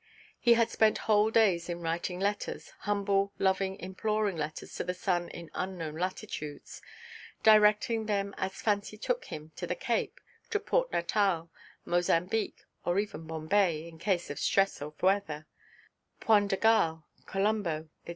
He had spent whole days in writing letters—humble, loving, imploring letters to the son in unknown latitudes—directing them as fancy took him to the Cape, to Port Natal, Mozambique, or even Bombay (in case of stress of weather), Point de Galle, Colombo, &c.